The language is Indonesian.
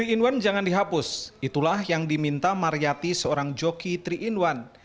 tiga in satu jangan dihapus itulah yang diminta mariyati seorang joki tiga in satu